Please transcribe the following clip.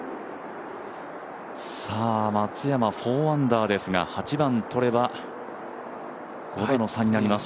松山、４アンダーですが、８番とれば、５打の差になります。